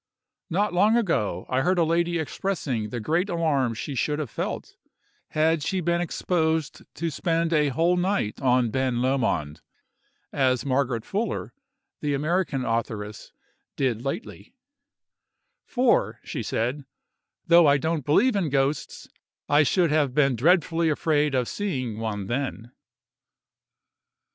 Not long ago, I heard a lady expressing the great alarm she should have felt, had she been exposed to spend a whole night on Ben Lomond, as Margaret Fuller, the American authoress, did lately; "for," said she, "though I don't believe in ghosts, I should have been dreadfully afraid of seeing one then!"